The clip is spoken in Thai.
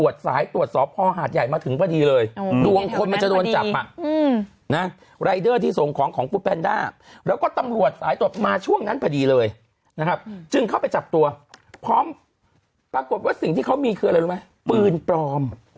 จึงเข้าไปจับตัวพร้อมปรากฏว่าสิ่งที่เขามีคืออะไรรู้ไหมปืนปลอม